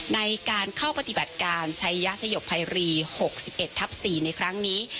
ในการเข้าปฏิบัติการชัยยะสยบภัยรี๖๑ทับ๔ในครั้งนี้